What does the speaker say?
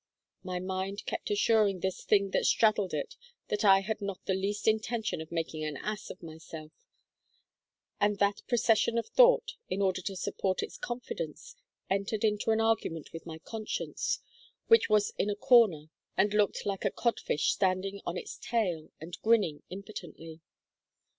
My mind kept assuring this thing that straddled it that I had not the least intention of making an ass of myself; and that procession of thought, in order to support its confidence, entered into an argument with my conscience, which was in a corner and looked like a codfish standing on its tail and grinning impotently.